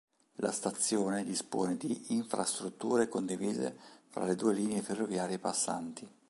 La stazione dispone di infrastrutture condivise fra le due linee ferroviarie passanti.